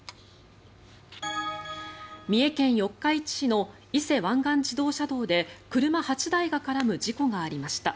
三重県四日市市の伊勢湾岸自動車道で車８台が絡む事故がありました。